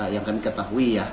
yang kami ketahui ya